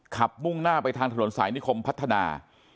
มุ่งหน้าไปทางถนนสายนิคมพัฒนา